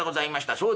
『そうだ。